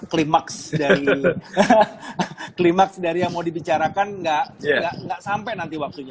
klimaks dari yang mau dibicarakan enggak sampai nanti waktunya